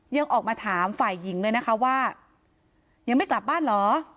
ยังออกมาถามฝ่ายหญิงเลยนะคะว่ายังไม่กลับบ้านเหรอ